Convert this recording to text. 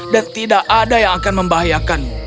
dan tidak ada yang akan membahayakanmu